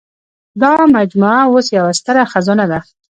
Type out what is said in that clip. دا مجموعه اوس یوه ستره خزانه ده.